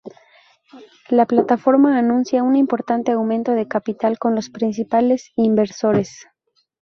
La plataforma anuncia un importante aumento de capital con los principales inversores.